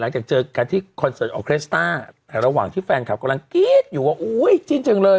หลังจากเจอกันที่แต่ระหว่างที่แฟนคับกำลังอยู่ว่าอุ้ยจริงจังเลย